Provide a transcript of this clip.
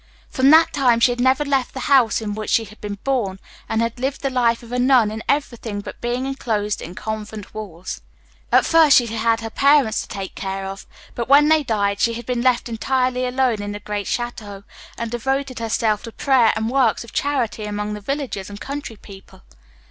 From that time she had never left the house in which she had been born, and had lived the life of a nun in everything but being enclosed in convent walls. At first she had had her parents to take care of, but when they died she had been left entirely alone in the great château, and devoted herself to prayer and works of charity among the villagers and country people.